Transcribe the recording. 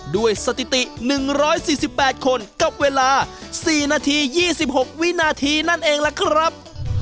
สถิติ๑๔๘คนกับเวลา๔นาที๒๖วินาทีนั่นเองล่ะครับ